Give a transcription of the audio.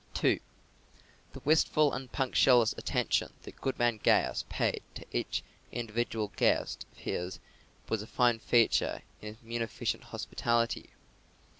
2. The wistful and punctilious attention that Goodman Gaius paid to each individual guest of his was a fine feature in his munificent hospitality.